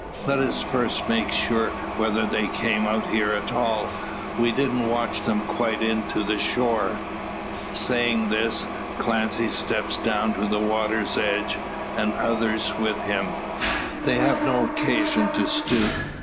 "Let us first make sure whether they came out here at all. We didn't watch them quite in to the shore." Saying this, Clancy steps down to the water's edge, the others with him. They have no occasion to stoop.